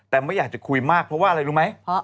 แต่ไม่อยากจะคุยมากเพราะว่าอะไรรู้ไหม